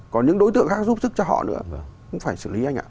còn những đối tượng khác giúp sức cho họ nữa cũng phải xử lý anh ạ